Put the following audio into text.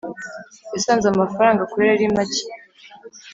yasanze amafaranga akorera ari make